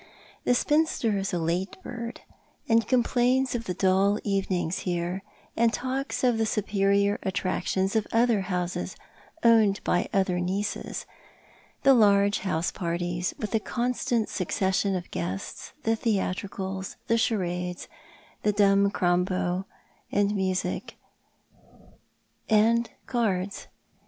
The spinster is a late bird, and complains of the dull evenings here, and talks of the superior attractions of otiicr houses owned by other nieces— the large house parties, with a constant succession of guests, tbe theatricals, the charades, and dumb crambo, and music, and cards.